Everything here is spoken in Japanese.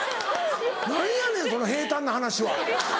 何やねんその平たんな話は。